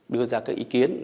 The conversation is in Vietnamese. đưa ra các ý kiến